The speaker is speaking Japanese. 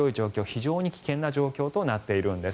非常に危険な状況となっているんです。